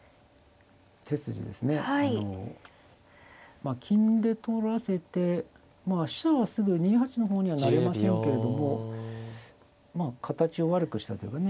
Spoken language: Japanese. まあ金で取らせて飛車はすぐ２八の方には成れませんけれどもまあ形を悪くしたというかね。